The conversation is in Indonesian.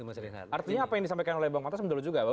artinya apa yang disampaikan oleh bang pantas menurut juga